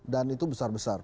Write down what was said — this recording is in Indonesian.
dan itu besar besar